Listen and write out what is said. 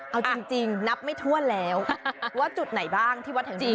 เอาจริงนับไม่ถ้วนแล้วว่าจุดไหนบ้างที่วัดแห่งนี้